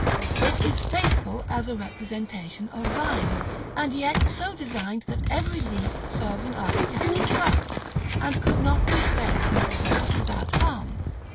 It is faithful as a representation of vine, and yet so designed that every leaf serves an architectural purpose, and could not be spared from its place without harm.